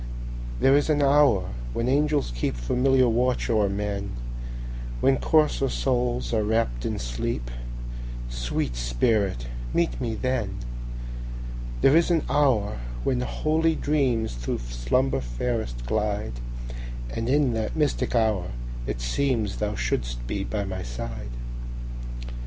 There is an hour when angels keepFamiliar watch o'er men, When coarser souls are wrapp'd in sleep—Sweet spirit, meet me then! There is an hour when holy dreamsThrough slumber fairest glide; And in that mystic hour it seemsThou shouldst be by my side.